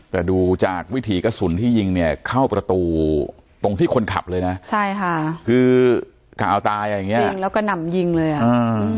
แต่ดูจากวิถีกระสุนที่ยิงเนี่ยเข้าประตูตรงที่คนขับเลยนะใช่ค่ะคือกาวตายอย่างเงี้ยิงแล้วก็หนำยิงเลยอ่ะอ่า